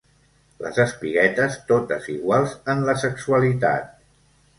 Les espiguetes totes iguals en la sexualitat.